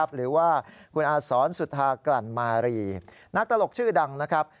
หรือว่าคุณอาสอนสุธากลั่นมารีนักตลกชื่อดังนะครับ